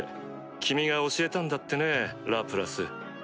君が教えたんだってねラプラス。